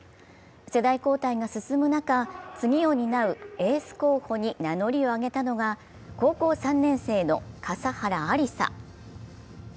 世代交代が進む中、次を担うエース候補に名乗りを上げたのが高校３年生の笠原有彩。